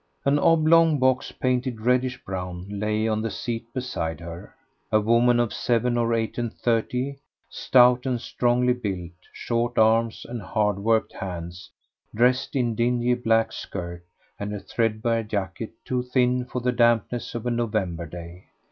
An oblong box painted reddish brown lay on the seat beside her. A woman of seven or eight and thirty, stout and strongly built, short arms and hard worked hands, dressed in dingy black skirt and a threadbare jacket too thin for the dampness of a November day.